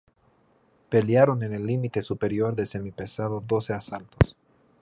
Pelearon en el límite superior de semipesado doce asaltos.